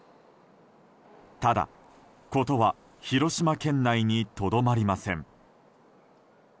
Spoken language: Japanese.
ただ、ことは広島県内にとどまりません。